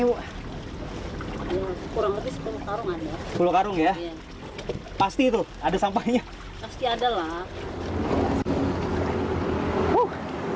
kurang lebih sepuluh karung ya pasti itu ada sampahnya pasti adalah